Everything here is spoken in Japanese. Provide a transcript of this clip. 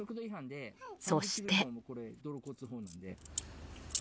そして。